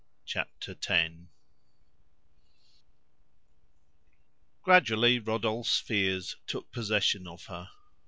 Chapter Ten Gradually Rodolphe's fears took possession of her.